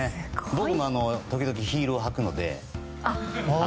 僕も時々、ヒールを履くので。